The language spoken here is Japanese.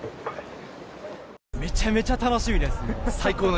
めちゃめちゃ楽しみですね。